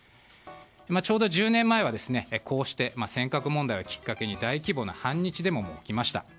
ちょうど１０年前はこうして尖閣問題をきっかけに大規模な反日デモも起きました。